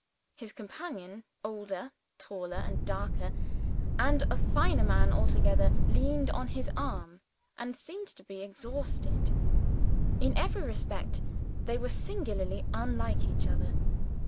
His companion, older, taller, and darker and a finer man altogether leaned on his arm and seemed to be exhausted. In every respect they were singularly unlike each other.